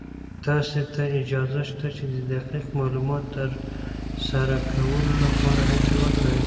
تاسې ته اجازه شته چې د دقيق معلوماتو تر سره کولو لپاره هڅې وکړئ.